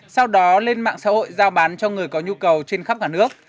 sau đó lên mạng xã hội giao bán cho người có nhu cầu trên khắp cả nước